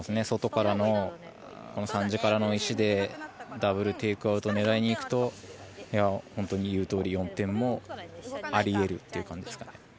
外からのこの３時からの石でダブル・テイクアウトを狙いに行くと言うとおり４点もあり得るって感じですね。